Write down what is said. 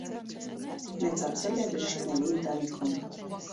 Մեծացել է բժիշկների ընտանիքում։